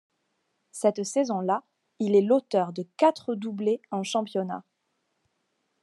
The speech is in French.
Cette saison là, il est l'auteur de quatre doublés en championnat.